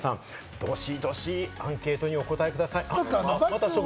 皆さん、どしどしアンケートにお答えください。